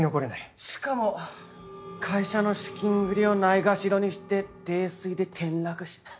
しかも会社の資金繰りをないがしろにして泥酔で転落死。